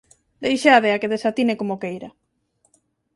Deixádea que desatine como queira.